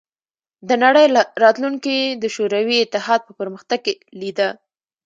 د نړۍ راتلونکې د شوروي اتحاد په پرمختګ کې لیده